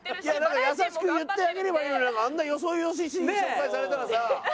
なんか優しく言ってあげればいいのにあんなよそよそしい紹介されたらさ。